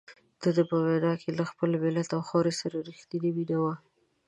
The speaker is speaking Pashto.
دده په وینا کې له خپل ملت او خاورې سره رښتیني مینه وه.